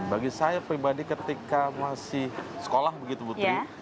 bagi saya pribadi ketika masih sekolah begitu putri